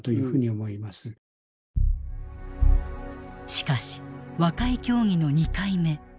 しかし和解協議の２回目。